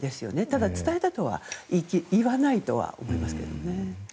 ただ、伝えたとは言わないとは思いますけどね。